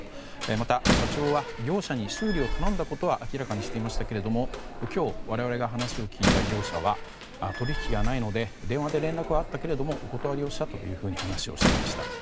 また、社長は業者に修理を頼んだことは明らかにしていましたが今日、我々が話を聞いた業者は取引がないので電話で連絡はあったけれどお断りをしたと話をしていました。